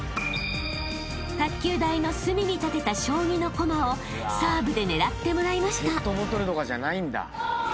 ［卓球台の隅に立てた将棋の駒をサーブで狙ってもらいました］